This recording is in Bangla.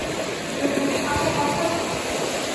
যোগেন, আমার কথা শোনো।